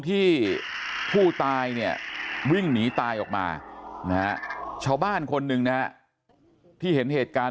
ที่ผู้ตายเนี่ยวิ่งหนีตายออกมานะฮะชาวบ้านคนหนึ่งนะฮะที่เห็นเหตุการณ์